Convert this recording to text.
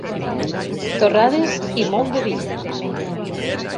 Torrades i molt de vi.